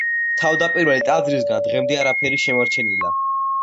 თავდაპირველი ტაძრისგან დღემდე არაფერი შემორჩენილა.